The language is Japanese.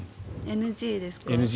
ＮＧですね。